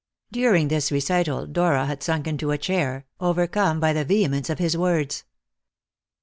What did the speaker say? During this recital Dora had sunk into a chair, overcome by the vehemence of his words.